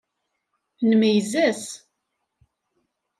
Nmeyyez-as.